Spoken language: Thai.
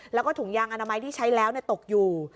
แล้วก็ถุงยางอนามัยที่ใช้แล้วตกอยู่